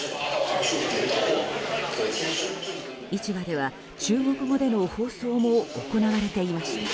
市場では、中国語での放送も行われていました。